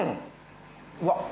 うわっ！